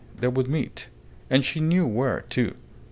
They would meet. And she knew where, too.